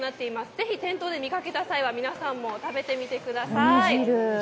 ぜひ、店頭で見かけた際は皆さんも食べてみてください。